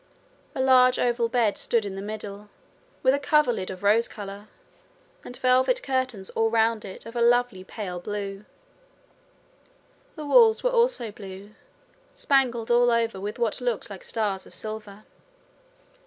A large oval bed stood in the middle, with a coverlid of rose colour, and velvet curtains all round it of a lovely pale blue. The walls were also blue spangled all over with what looked like stars of silver.